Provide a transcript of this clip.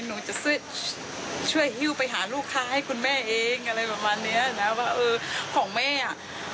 หนูจะช่วยช่วยฮิ้วไปหาลูกค้าให้คุณแม่เองอะไรประมาณเนี้ยนะว่าเออของแม่อ่ะ